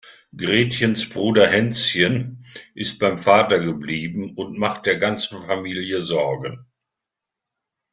Gretchens Bruder Hänschen ist beim Vater geblieben und macht der ganzen Familie Sorgen.